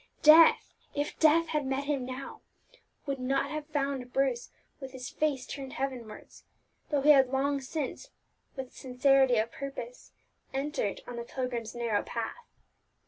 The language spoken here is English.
Death, if death had met him now, would not have found Bruce with his face turned heavenwards, though he had long since, with sincerity of purpose, entered on the pilgrim's narrow path.